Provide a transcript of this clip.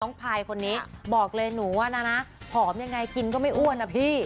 พายคนนี้บอกเลยหนูว่านะผอมยังไงกินก็ไม่อ้วนนะพี่